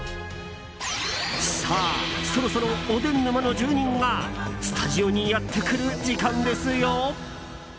さあ、そろそろおでん沼の住人がスタジオにやってくる時間ですよ。